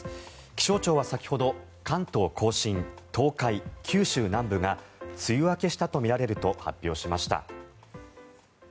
気象庁は先ほど関東・甲信、東海、九州南部が梅雨明けしたとみられると発表しました。